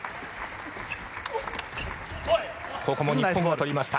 ここも日本が取りました。